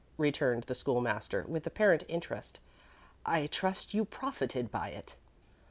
returned the School master, with apparent interest. "I trust you profited by it?"